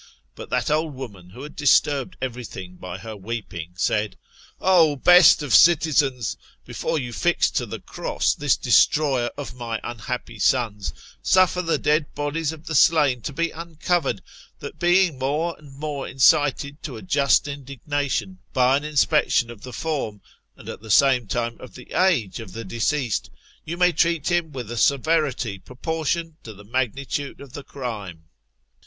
But that old woman who had disturbed every thing by her weeping, said, " O best of citizens, before you fix to the cross this destroyer of my unhappy sons, suffer the dead bodies of the slain to be uncovered, that being more and more incited to a just indignation, by an inspection of the form, #and, at the same time, of the age of the deceased, you may treat him with a severity proportioned to the magnitude of the crime."